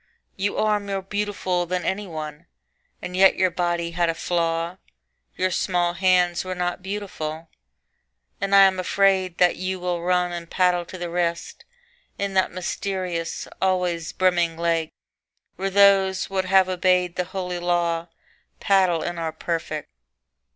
You are more beautiful than any one, And yet your body had a flaw: Your small hands were not beautiful, And I am afraid that you will run And paddle to the wrist In that mysterious, always brimming lake Where those that have obeyed the holy law Paddle and are perfect.